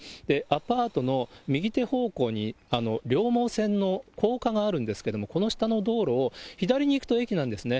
アパートの右手方向に、両毛線の高架があるんですけれども、この下の道路を、左に行くと駅なんですね。